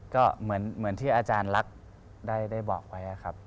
ก็เหมือนที่อาจารย์ลักษณ์ได้บอกไว้ครับ